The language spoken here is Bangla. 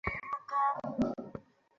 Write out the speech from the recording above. বেদান্ত সকলকেই গ্রহণ করিয়া থাকে।